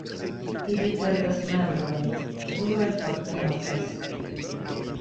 Ili perdas membrojn, pluraj fakte mortas.